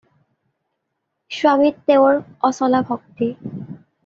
স্বামীত তেওঁৰ অচলা ভক্তি।